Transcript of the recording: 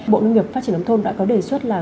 bộ nông nghiệp phát triển nông thôn đã có đề xuất là